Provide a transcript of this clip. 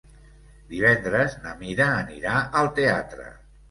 Divendres na Mira anirà al teatre.